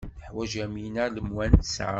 Teḥwaj Yamina lemwansa?